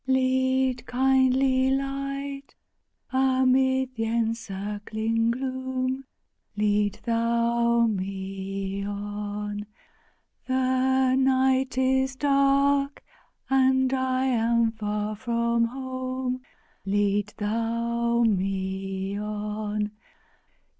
Lead, kindly Light, amid th'encircling gloom, Lead Thou me on! The night is dark and I am far from home! Lead Thou me on!